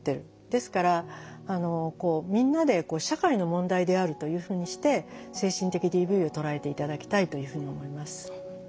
ですからみんなで社会の問題であるというふうにして精神的ＤＶを捉えて頂きたいというふうに思います。